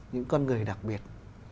những con người đặc biệt